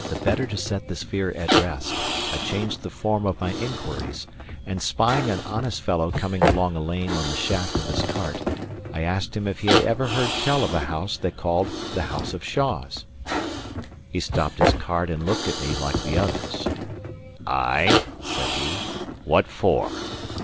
The better to set this fear at rest, I changed the form of my inquiries; and spying an honest fellow coming along a lane on the shaft of his cart, I asked him if he had ever heard tell of a house they called the house of Shaws. He stopped his cart and looked at me, like the others. "Ay" said he. "What for?"